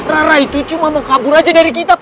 rara itu cuma mau kabur aja dari kita pak